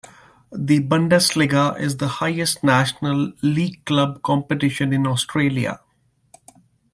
The Bundesliga is the highest national league-club competition in Austria.